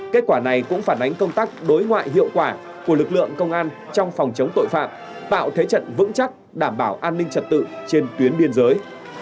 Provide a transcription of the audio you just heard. kết quả này cũng phản ánh công tác đối ngoại hiệu quả của lực lượng công an trong phòng chống tội phạm tạo thế trận vững chắc đảm bảo an ninh trật tự trên tuyến biên giới